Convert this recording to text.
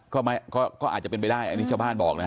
ก็ไม่ก็ก็อาจจะเป็นไปได้อันนี้ชาวบ้านบอกเลยฮะ